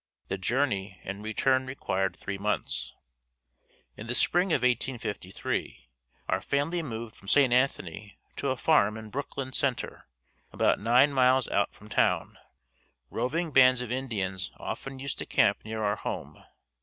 The journey and return required three months. In the spring of 1853 our family moved from St. Anthony to a farm in Brooklyn Center, about nine miles out from town. Roving bands of Indians often used to camp near our home.